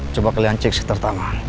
coba kalian cek sekitar tangan